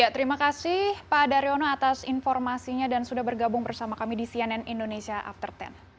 terima kasih pak daryono atas informasinya dan sudah bergabung bersama kami di cnn indonesia after sepuluh